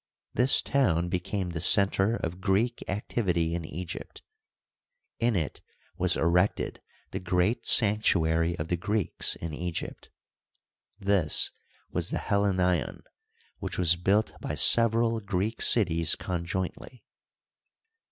This town became the center of Greek activity in Egypt. In it was erected the great sanctuary of the Greeks in Egypt ; this was the Helleneion, which was built by sev eral Greek cities conjointly.